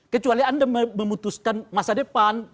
kecuali anda memutuskan masa depan